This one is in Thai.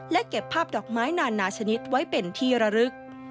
และเก็บภาพดอกไม้นานาชนิดไว้เป็นที่ระลึก